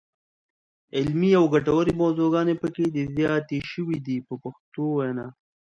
علمي او ګټورې موضوعګانې پکې زیاتې شوې دي په پښتو وینا.